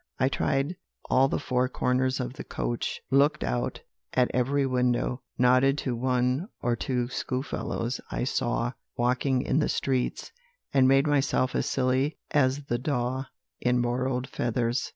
I tried all the four corners of the coach, looked out at every window, nodded to one or two schoolfellows I saw walking in the streets, and made myself as silly as the daw in borrowed feathers."